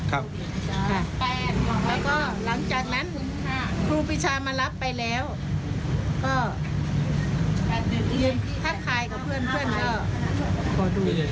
แล้วก็หลังจากนั้นครูปีชามารับไปแล้วก็ยืนทักทายกับเพื่อนเพื่อนก็ขอดูเลย